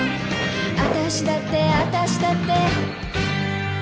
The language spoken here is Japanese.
「私だって、私だって、」